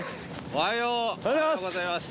おはようございます。